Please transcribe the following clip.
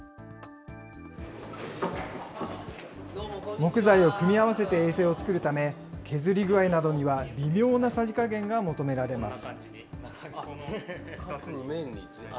木材を組み合わせて衛星を作るため、削り具合などには微妙なさじ加減が求められます。